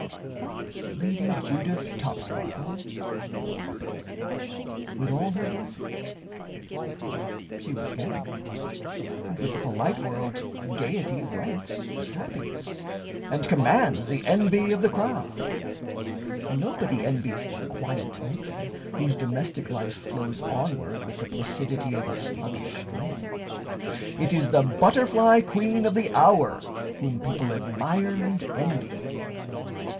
Was Lady Judith Topsparkle happy, with all her blessings? She was gay; and with the polite world gayety ranks as happiness, and commands the envy of the crowd. Nobody envies the quiet matron whose domestic life flows onward with the placidity of a sluggish stream. It is the butterfly queen of the hour whom people admire and envy.